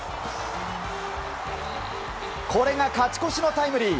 これが勝ち越しのタイムリー。